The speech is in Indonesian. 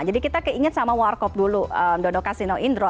jadi kita keingin sama warcop dulu dodo casino indro